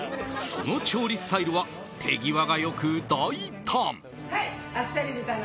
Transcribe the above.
その調理スタイルは手際が良く、大胆。